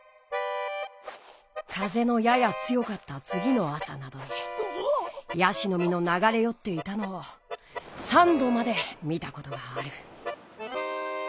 風のやや強かったつぎの朝などに椰子の実の流れ寄っていたのを３度まで見たことがある。